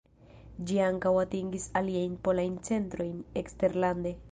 Ĝi ankaŭ atingis aliajn polajn centrojn eksterlande.